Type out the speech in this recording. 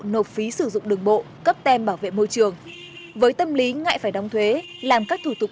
nộp phí sử dụng đường bộ cấp tem bảo vệ môi trường với tâm lý ngại phải đóng thuế làm các thủ tục